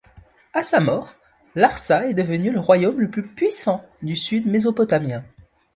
À sa mort, Larsa est devenu le royaume le plus puissant du Sud mésopotamien.